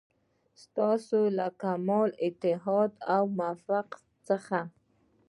ستاسو له کمال اتحاد او موافقت څخه.